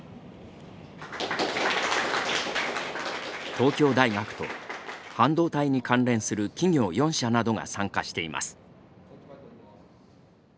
東京大学と、半導体に関連する企業４社などが参加しています。